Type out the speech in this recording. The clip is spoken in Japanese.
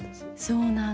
そうなんだ。